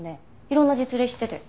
いろんな実例知ってて。